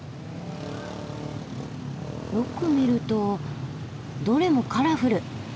よく見るとどれもカラフル。